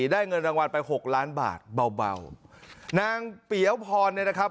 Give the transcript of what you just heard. ได้เงินรางวัลไปหกล้านบาทเบานางปรียพรเนอะครับ